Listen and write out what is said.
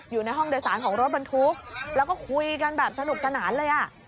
อยู่ในห้องโดยสารของรถบรรทุกแล้วก็คุยกันแบบสนุกสนานเลยอ่ะ